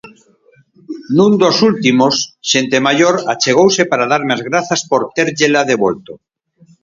Nun dos últimos, xente maior achegouse para darme as grazas por térllela devolto.